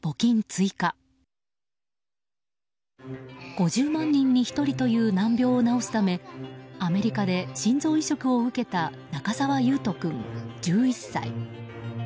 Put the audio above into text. ５０万人に１人という難病を治すためアメリカで心臓移植を受けた中沢維斗君、１１歳。